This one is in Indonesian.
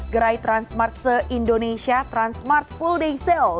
gerai transmart se indonesia transmart full day sale